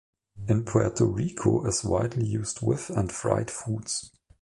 In Puerto Rico, is widely used with and fried foods.